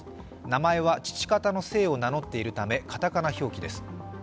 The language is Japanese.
名前は父方の姓を名乗っているため片仮名表記です。